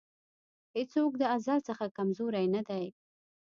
هېڅوک د ازل څخه کمزوری نه دی.